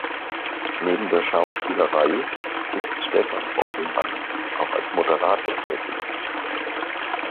Neben der Schauspielerei ist Stefan Bockelmann auch als Moderator tätig.